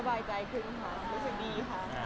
บายใจขึ้นค่ะรู้สึกดีค่ะ